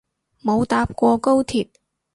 冇搭過高鐵